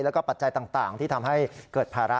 แล้วก็ปัจจัยต่างที่ทำให้เกิดภาระ